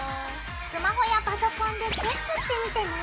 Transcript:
スマホやパソコンでチェックしてみてね！